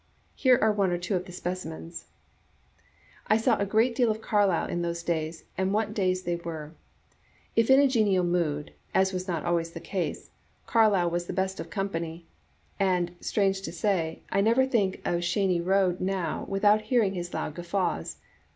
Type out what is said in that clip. Here are one or two of the speci mens: " I saw a great deal of Carlyle in those days, and what days they were ! If in a genial mood (as was not always the case), Carlyle was the best of company, and, strange to say, I never think of Cheyne Row now with out hearing his loud guffaws.